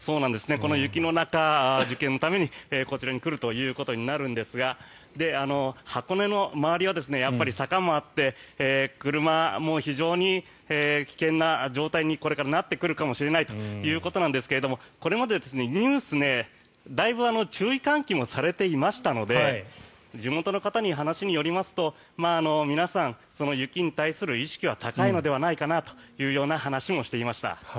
この雪の中受験のためにこちらに来るということになるんですが箱根の周りはやっぱり坂もあって車も非常に危険な状態にこれからなってくるかもしれないということですがこれまでニュースでだいぶ注意喚起もされていましたので地元の方の話によりますと皆さん、その雪に対する意識は高いのではないかなという話もしていました。